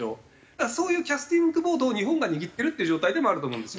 だからそういうキャスティングボートを日本が握ってるっていう状態でもあると思うんですよ。